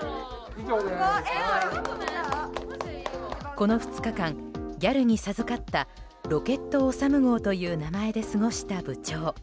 この２日間ギャルに授かったロケットおさむ号という名前で過ごした部長。